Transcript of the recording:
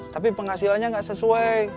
tapi penghasilannya gak sesuai